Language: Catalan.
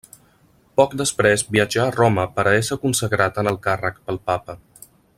Poc després viatjà a Roma per a esser consagrat en el càrrec pel Papa.